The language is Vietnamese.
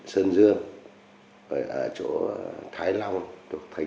xin chào các bạn